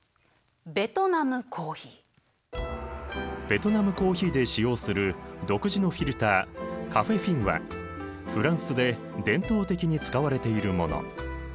ベトナムコーヒーで使用する独自のフィルターカフェフィンはフランスで伝統的に使われているもの。